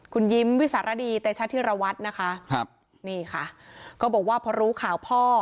คุณยิ้มวิสารดีเตชธิรวัฒน์นะคะนี่ค่ะก็บอกว่าเพราะรู้ข่าวพ่อ